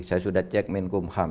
saya sudah cek minkumham